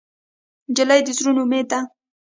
نجلۍ د زړونو امید ده.